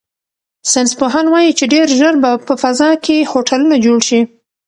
ساینس پوهان وایي چې ډیر ژر به په فضا کې هوټلونه جوړ شي.